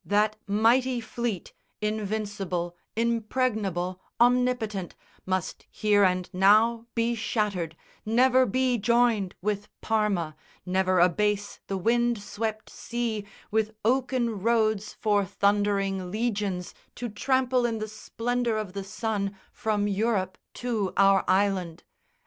That mighty fleet Invincible, impregnable, omnipotent, Must here and now be shattered, never be joined With Parma, never abase the wind swept sea, With oaken roads for thundering legions To trample in the splendour of the sun From Europe to our island.